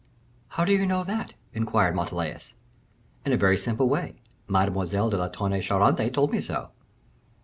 "How do you know that?" inquired Montalais. "In a very simple way. Mademoiselle de Tonnay Charente told me so."